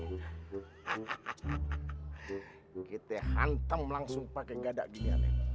hahaha kita hantam langsung pakai gada gini ya